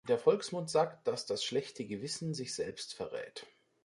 Der Volksmund sagt, dass das "Schlechte Gewissen" sich selbst verrät.